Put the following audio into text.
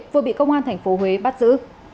vừa bị công an tp huế bắt giữ